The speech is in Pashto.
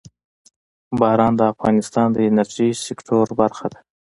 باران د افغانستان د انرژۍ سکتور برخه ده.